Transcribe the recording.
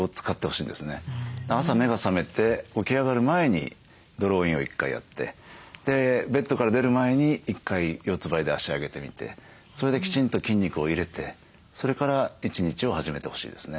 朝目が覚めて起き上がる前にドローインを１回やってでベッドから出る前に１回四つばいで足上げてみてそれできちんと筋肉を入れてそれから１日を始めてほしいですね。